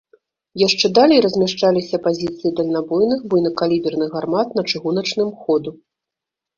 Яшчэ далей размяшчаліся пазіцыі дальнабойных буйнакаліберных гармат на чыгуначным ходу.